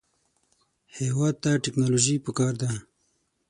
هېواد ته ټیکنالوژي پکار ده